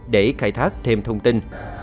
để khai thác thêm thông tin